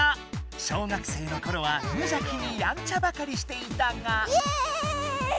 小学生のころはむじゃきにやんちゃばかりしていたが。